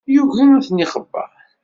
Yugi ad ten-ixebber.